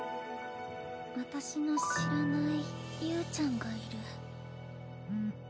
私の知らない侑ちゃんがいる。